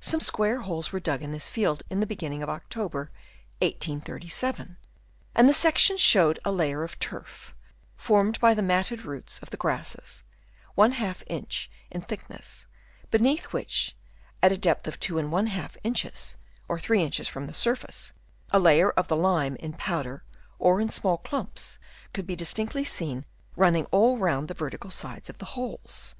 Some square holes were dug in this field in the beginning of October 1837 ; and the sections showed a layer of turf, formed by the matted roots of the grasses, ^ inch in thickness, beneath which, at a depth of 2^ inches (or 3 inches from the surface), a layer of the lime in powder or in small lumps could be distinctly seen running all round the vertical sides of the holes.